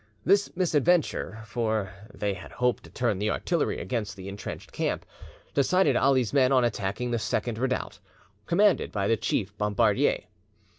This misadventure, for they had hoped to turn the artillery against the intrenched camp, decided Ali's men on attacking the second redoubt, commanded by the chief bombardier.